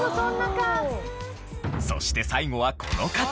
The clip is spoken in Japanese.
そして最後はこの方。